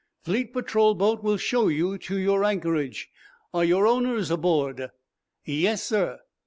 "Fleet patrol boat will show you to your anchorage. Are your owners aboard?" "Yes, sir."